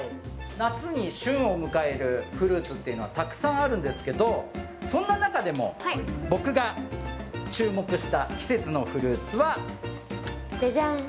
夏に旬を迎えるフルーツというのはたくさんあるんですけど、そんな中でも僕が注目した季節のじゃじゃん。